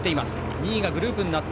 ２位がグループになって。